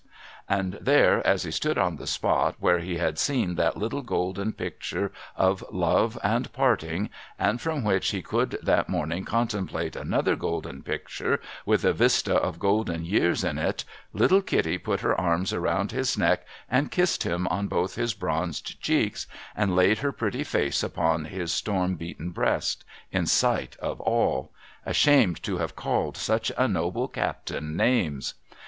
And there as he stood on the spot where he had seen that little golden picture of love and parting, and from which he could that morning contem plate another golden picture with a vista of golden years in it, little Kitty put her arms around his neck, and kissed him on both his bronzed cheeks, and laid her pretty face upon his storm beaten breast, in sight of all, — ashamed to have called such a noble captain names.